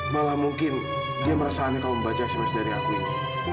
malah mungkin dia merasa aneh kamu membaca sms dari aku ini